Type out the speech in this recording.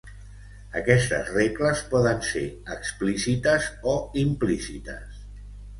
Aquestes regles poden ser explícites o implícites.